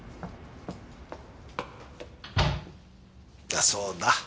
だそうだ。